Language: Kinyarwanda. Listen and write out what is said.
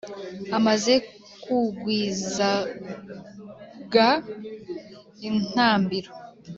amaze kugwizaga intambiro;